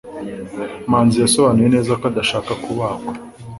Manzi yasobanuye neza ko adashaka kubagwa.